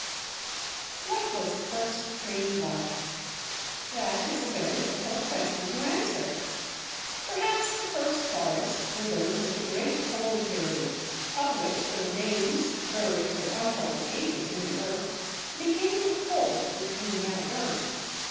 What was the first tree like? That is a very difficult question to answer. Perhaps the first forests were those of the great coal period, of which the remains, buried for untold ages in the earth, became the coal which we now burn.